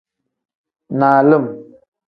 Nalim.